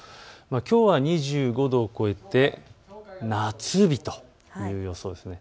きょうは２５度を超えて夏日という予想です。